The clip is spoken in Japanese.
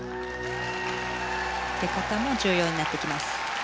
出方も重要になってきます。